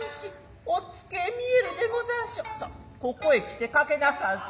さあここへ来て掛けなさんせ。